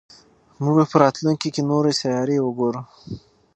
موږ به په راتلونکي کې نورې سیارې وګورو.